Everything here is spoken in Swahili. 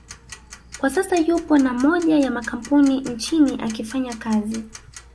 kwa sasa yupo na moja ya kampuni nchini akifanya kazi